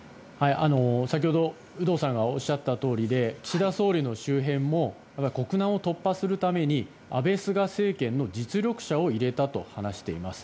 先ほど有働さんがおっしゃったとおりで岸田総理の周辺も国難を突破するために安部、菅政権の実力者を入れたと話しています。